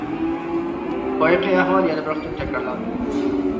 بايىقى ئەھۋال يەنە بىر قېتىم تەكرارلاندى.